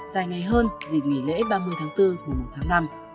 dài ngày hơn dịp nghỉ lễ ba mươi tháng bốn mùa một tháng năm